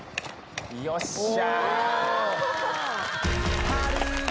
よっしゃ！